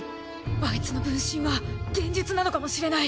アイツの分身は幻術なのかもしれない。